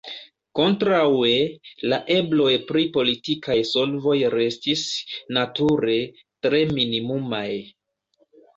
Kontraŭe, la ebloj pri politikaj solvoj restis, nature, tre minimumaj.